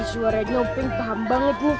suaranya openg paham banget